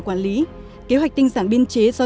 quản lý kế hoạch tinh giản biên chế do